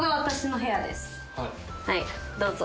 はいどうぞ。